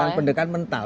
maka pendekatan mental